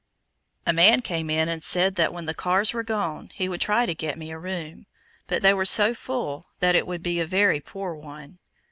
A man came in and said that when the cars were gone he would try to get me a room, but they were so full that it would be a very poor one.